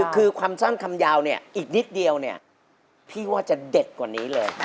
คือความสั้นคำยาวเนี่ยอีกนิดเดียวเนี่ยพี่ว่าจะเด็ดกว่านี้เลย